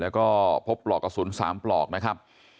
แล้วก็พบปลอกกระสุน๓ปลอกนะครับ